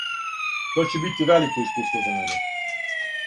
То ће бити велико искуство за мене.